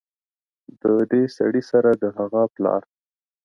ددې سړي سره د هغه پلار